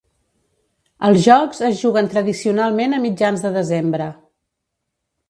Els jocs es juguen tradicionalment a mitjans de desembre.